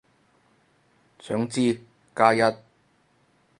想知，加一